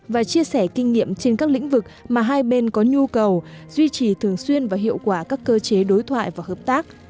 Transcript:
và chia sẻ kinh nghiệm trên các lĩnh vực mà hai bên có nhu cầu duy trì thường xuyên và hiệu quả các cơ chế đối thoại và hợp tác